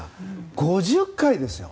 ５０回ですよ？